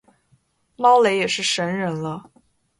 猫雷也是神人了